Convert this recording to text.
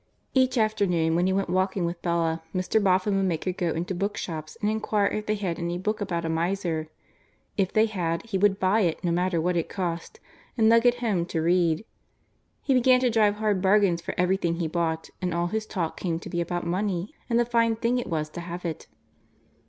Each afternoon, when he went walking with Bella, Mr. Boffin would make her go into bookshops and inquire if they had any book about a miser. If they had, he would buy it, no matter what it cost, and lug it home to read. He began to drive hard bargains for everything he bought and all his talk came to be about money and the fine thing it was to have it.